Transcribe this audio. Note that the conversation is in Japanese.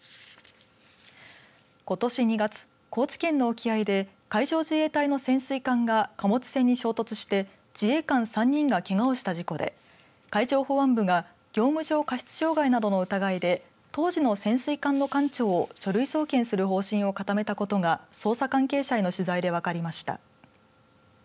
ことし２月、高知県の沖合で海上自衛隊の潜水艦が貨物船に衝突して自衛官３人がけがをした事故で海上保安部が業務上過失傷害などの疑いで当時の潜水艦の艦長を書類送検する方針を固めたことが捜査関係者への取材で分かりました。